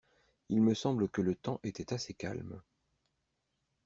Il me semble que le temps était assez calme.